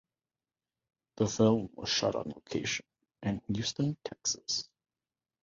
The film was shot on location in Houston, Texas.